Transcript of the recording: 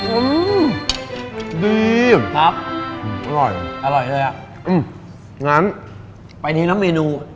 อืมดีครับอร่อยอร่อยเลยอ่ะอืมงั้นไปทีละเมนู